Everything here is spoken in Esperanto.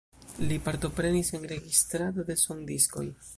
Li partoprenis en registrado de sondiskoj.